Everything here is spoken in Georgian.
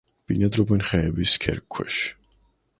ბინადრობენ ხეების ქერქქვეშ.